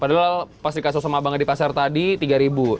padahal pas dikasuh sama abangnya di pasar tadi tiga ribu